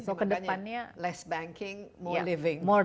jadi ke depannya kurangnya bank lebih banyak hidup